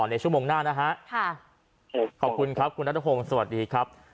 ในชั่วโมงหน้านะฮะค่ะขอบคุณครับคุณนัทพงศ์สวัสดีครับ